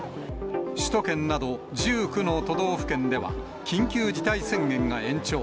首都圏など１９の都道府県では、緊急事態宣言が延長。